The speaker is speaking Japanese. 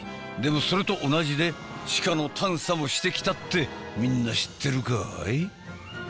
でもそれと同じで地下の探査もしてきたってみんな知ってるかい？